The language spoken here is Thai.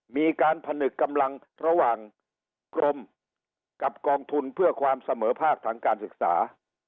มีการผนึกกำลังระหว่างกรมกับกองทุนเพื่อความเสมอภาคทางการศึกษา